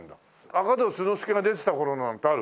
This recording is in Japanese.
『赤胴鈴之助』が出てた頃のなんてある？